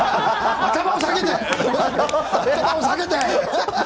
頭を下げて！